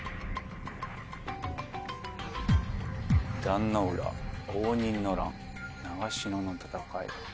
壇ノ浦応仁の乱長篠の戦い。